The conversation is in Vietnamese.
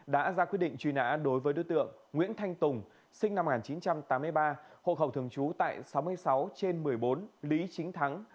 đã ra quyết định truy nã đối với đối tượng nguyễn thanh tùng sinh năm một nghìn chín trăm tám mươi ba hộ khẩu thường trú tại sáu mươi sáu trên một mươi bốn lý chính thắng